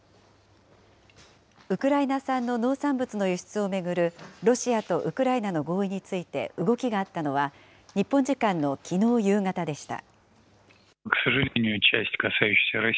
ウクライナ産の農産物の輸出を巡るロシアとウクライナの合意について動きがあったのは、日本時間のきのう夕方でした。